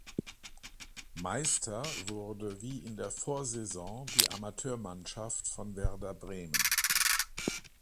Meister wurde wie in der Vorsaison die Amateurmannschaft von Werder Bremen.